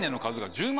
１０万